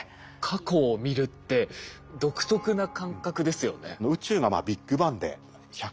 過去を見るって独特な感覚ですよね。